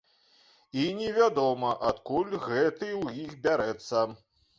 І невядома, адкуль гэты ў іх бярэцца.